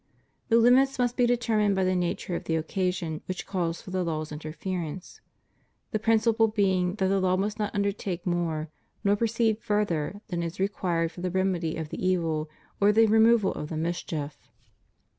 The limits must be determined by the nature of the occasion which calls for the law's interference — the principle being that the law must not undertake more, nor proceed further, than is required for the remedy of the evil or the removal of the mischief.